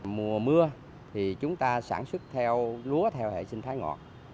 mùa mưa thì chúng ta sản xuất theo lúa theo hệ sinh thái ngọt